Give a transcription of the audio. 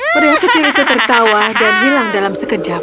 pria kecil itu tertawa dan hilang dalam sekejap